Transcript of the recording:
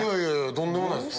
とんでもないです。